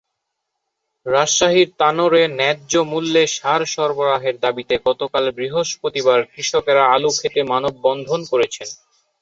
রাজশাহীর তানোরে ন্যায্যমূল্যে সার সরবরাহের দাবিতে গতকাল বৃহস্পতিবার কৃষকেরা আলুখেতে মানববন্ধন করেছেন।